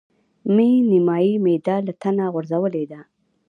مې نيمایي معده له تنه غورځولې ده.